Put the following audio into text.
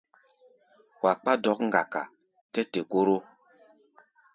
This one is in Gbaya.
Wa kpá dɔ̌k-ŋgaka tɛ té-koro.